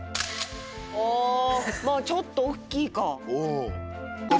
あまあちょっと大きいか。